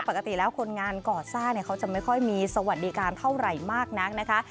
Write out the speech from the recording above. ปกติแล้วคนงานก่อสร้างเขาจะไม่ค่อยมีสวัสดิการเท่าไหร่มากนักนะคะ